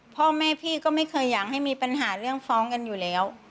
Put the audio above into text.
พ่อแม่พี่ก็ไม่เคยอยากให้มีปัญหาเรื่องฟ้องกันอยู่แล้ว